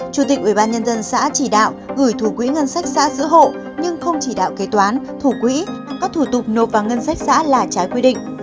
chủ tịch ủy ban nhân dân xã chỉ đạo gửi thủ quỹ ngân sách xã giữ hộ nhưng không chỉ đạo kế toán thủ quỹ các thủ tục nộp vào ngân sách xã là trái quy định